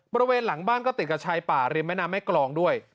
บริเวณหลังบ้านก็ติดกับชายป่าริมแม่น้ำแม่กรองด้วย